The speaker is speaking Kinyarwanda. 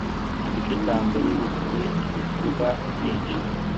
Igice cya mbere gifite ibikorwa byinshi.